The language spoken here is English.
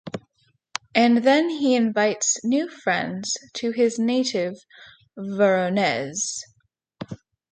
And then he invites new friends to his native Voronezh.